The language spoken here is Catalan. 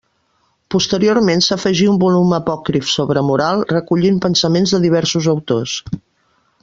Posteriorment s'afegí un volum apòcrif sobre moral, recollint pensament de diversos autors.